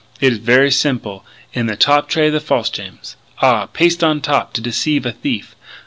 It is ver' simple. In the top tray the false gems. Ah! Paste on top to deceive a thief!...